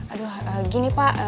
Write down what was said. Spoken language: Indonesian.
aduh gini pak